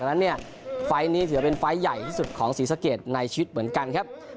นั้นเนี่ยไฟล์นี้ถือว่าเป็นไฟล์ใหญ่ที่สุดของศรีสะเกดในชีวิตเหมือนกันครับ